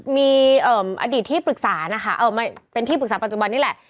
มีอดีตที่ปรึกษานะคะเป็นที่ปรึกษาปัจจุบันนี่แหละ